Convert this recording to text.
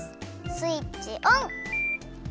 スイッチオン！